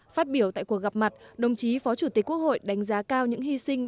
phát biểu tại cuộc gặp mặt đồng chí phó chủ tịch quốc hội đánh giá cao những hy sinh